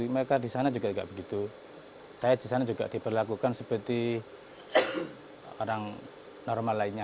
mereka di sana juga tidak begitu saya di sana juga diperlakukan seperti orang normal lainnya